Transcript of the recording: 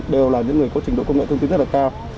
đều là những người có trình độ công nghệ thông tin rất là cao